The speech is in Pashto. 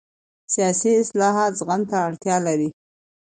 سیاسي اصلاحات زغم ته اړتیا لري